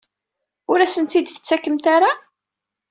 Ur asen-tt-id-tettakemt ara?